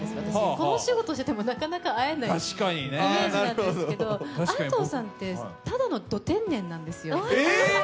この仕事をしてもなかなか会えないイメージなんですけど、安藤さんって、ただのド天然なんですよ。